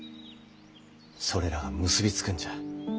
それらが結び付くんじゃ。